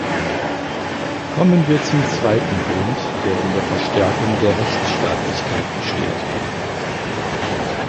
Kommen wir zum zweiten Grund, der in der Verstärkung der Rechtsstaatlichkeit besteht.